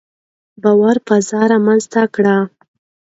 باور فضا رامنځته کړئ.